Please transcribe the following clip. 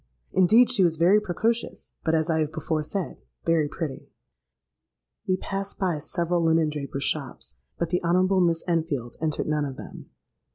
Indeed she was very precocious, but, as I have before said, very pretty. "We passed by several linen drapers' shops; but the Honourable Miss Enfield entered none of them.